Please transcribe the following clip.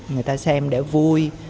người ta xem để vui